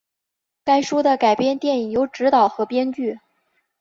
该书的改编电影由执导和编剧。